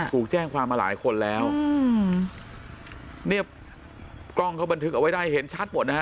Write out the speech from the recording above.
ถูกแจ้งความมาหลายคนแล้วอืมเนี่ยกล้องเขาบันทึกเอาไว้ได้เห็นชัดหมดนะฮะ